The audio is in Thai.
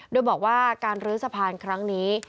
โดยบอกว่าการลื้อสะพานครั้งนี้